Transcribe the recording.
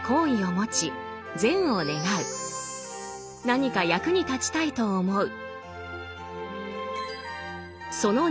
何か役に立ちたいと思う。